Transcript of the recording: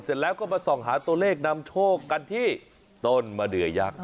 เสร็จแล้วก็มาส่องหาตัวเลขนำโชคกันที่ต้นมะเดือยักษ์